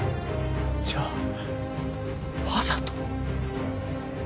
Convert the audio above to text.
じゃあわざと？